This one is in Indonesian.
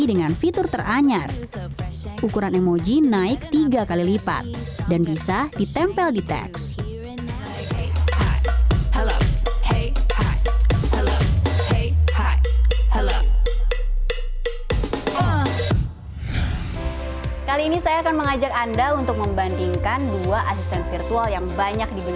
dengan facebook dan instagram jadi kalau kamu mau mencoba di google jangan lupa like share dan subscribe